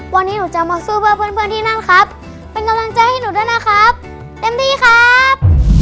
วันนี้หนูจะมาสู้เพื่อเพื่อนเพื่อนที่นั่นครับเป็นกำลังใจให้หนูด้วยนะครับเต็มที่ครับ